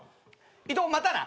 伊藤またな。